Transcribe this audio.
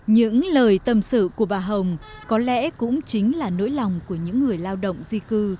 những lời tâm sự của bà hồng có lẽ cũng chính là nỗi lòng của những người lao động di cư